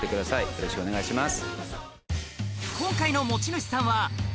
よろしくお願いします。